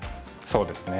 そうですね。